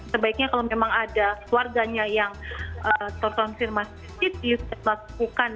sebaiknya kalau memang ada keluarganya yang terkonfirmasi positif lakukan